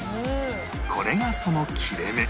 これがその切れ目